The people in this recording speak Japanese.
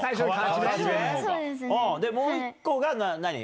もう１個が。